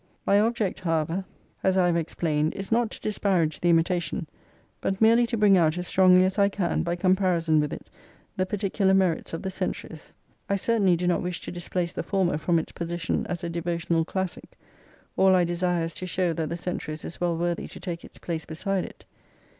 My object, however, as xvi I have explained, is not to disparage the " Imitation," but merely to bring out as strongly as I can, by com parison with itjithe particular merits of the " Centuries." I certainly do not wish to displace the former from its position as a devotional classic : all I desire is to show that the " Centuries " is well worthy to take its place beside it.